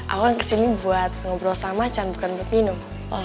awalnya kesini buat ngobrol sama can bukan buat minum